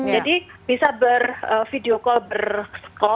jadi bisa bervideo call berkompo